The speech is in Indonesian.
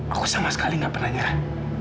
aku sama sekali gak pernah nyerah